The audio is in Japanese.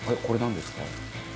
これなんですか？